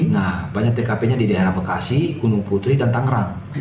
nah banyak tkp nya di daerah bekasi gunung putri dan tangerang